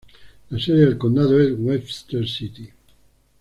La sede del condado es Webster City.